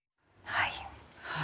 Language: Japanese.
はい。